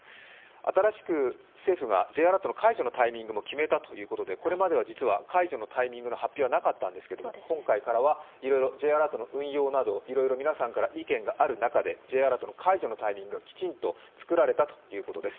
新しく政府がＪアラートの解除のタイミングも決めたということでこれまでは実は解除のタイミングの発表はなかったんですが今回からは、Ｊアラートの運用などいろいろ皆さんから意見がある中でＪアラートの解除の基準がきちんと作られたということです。